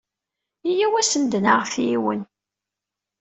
Yya-w ad s-d-naɣet yiwen!